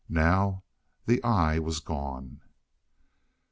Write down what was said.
Now the eye was gone.